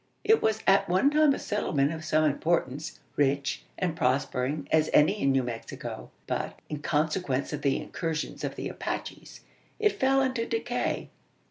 It was at one time a settlement of some importance rich and prospering as any in New Mexico but, in consequence of the incursions of the Apaches, it fell into decay.